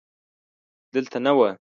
دلته نه و.